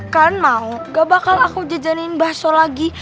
kalian mau gak bakal aku jajanin bahso lagi